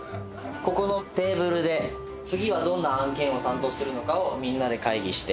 ここのテーブルで次はどんな案件を担当するのかをみんなで会議して。